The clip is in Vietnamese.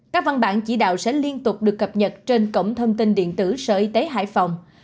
các văn bản chỉ đạo sẽ liên tục được cập nhật trên cổng thông tin điện tử sở y tế hải phòng